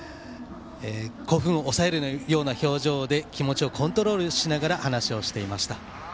興奮を抑えたような表情で気持ちをコントロールしながら話をしていました。